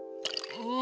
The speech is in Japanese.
うん！